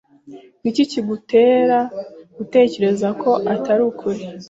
Ni iki kigutera gutekereza ko atari ukuri?